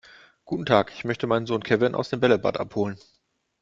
Guten Tag, ich möchte meinen Sohn Kevin aus dem Bällebad abholen.